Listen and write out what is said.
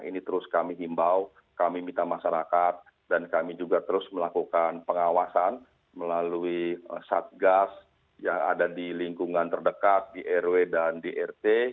ini terus kami himbau kami minta masyarakat dan kami juga terus melakukan pengawasan melalui satgas yang ada di lingkungan terdekat di rw dan di rt